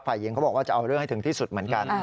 หญิงเขาบอกว่าจะเอาเรื่องให้ถึงที่สุดเหมือนกัน